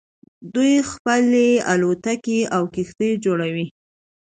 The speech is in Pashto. دوی خپله الوتکې او کښتۍ جوړوي.